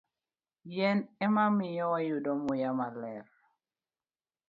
Yien ema miyo wayudo muya maler.